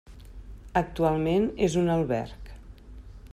Actualment és un alberg.